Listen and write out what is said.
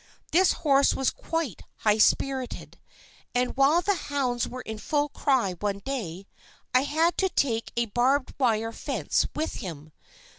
This horse was quite high spirited, and while the hounds were in full cry one day I had to take a barbed wire fence with him.